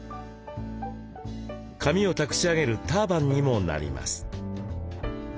髪をたくし上げるターバンにもなります。